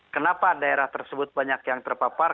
kenapa daerah tersebut banyak yang terpapar